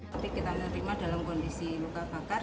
tapi kita menerima dalam kondisi luka bakar di daerah wajah dada